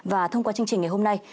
và thông qua chương trình ngày hôm nay